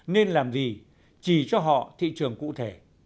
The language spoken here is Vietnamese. nên làm gì chỉ cho họ thị trường cụ thể